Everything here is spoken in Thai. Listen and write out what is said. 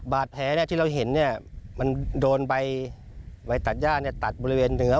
บาดแผลที่เราเห็นมันโดนใบตัดย่าตัดบริเวณเนื้อ